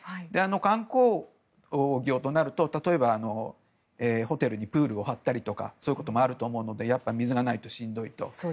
観光業となると例えばホテルにプールを張ったりそういうこともあると思うので水がないと、しんどいと。